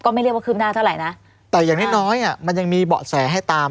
ไม่เรียกว่าคืบหน้าเท่าไหร่นะแต่อย่างน้อยอ่ะมันยังมีเบาะแสให้ตาม